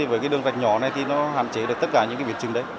với cái đường gạch nhỏ này thì nó hạn chế được tất cả những cái biến chứng đấy